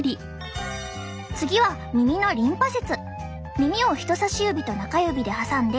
次は耳のリンパ節。